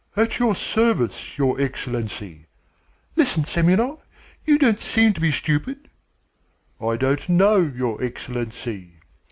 "At your service, your Excellency." "Listen, Semyonov, you don't seem to be stupid." "I don't know, your Excellency."